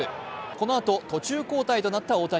このあと、途中交代となった大谷。